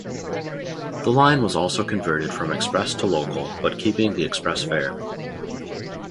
The line was also converted from express to local but keeping the express fare.